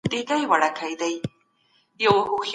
مشران د جګړو د پای ته رسولو لپاره هلې ځلې کوي.